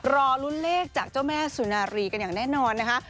รอลุ้นเลขจากเจ้าแม่สุนารีกันอย่างแน่นอนนะคะ